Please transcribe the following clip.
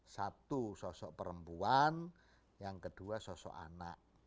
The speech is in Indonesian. satu sosok perempuan yang kedua sosok anak